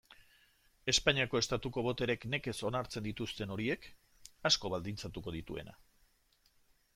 Espainiako Estatuko botereek nekez onartzen dituzten horiek, asko baldintzatuko dituena.